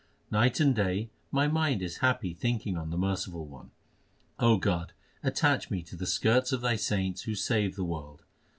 Night and day my mind is happy thinking on the Merciful One. O God, attach me to the skirts of Thy saints who save the world.